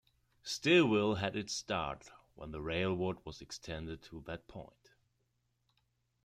Stilwell had its start when the railroad was extended to that point.